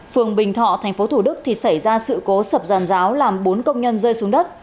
phường bình thọ tp thủ đức thì xảy ra sự cố sập giàn giáo làm bốn công nhân rơi xuống đất